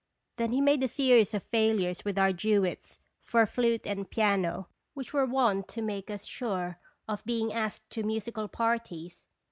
Then he made a series of failures with our duets for flute and piano which were wont to make us sure of being asked to musical par ties.